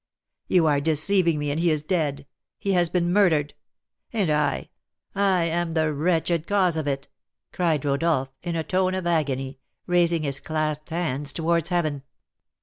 "You are deceiving me, and he is dead! He has been murdered! And I I am the wretched cause of it!" cried Rodolph, in a tone of agony, raising his clasped hands towards heaven.